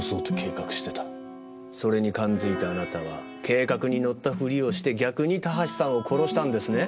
それに感づいたあなたは計画に乗ったふりをして逆に田橋さんを殺したんですね？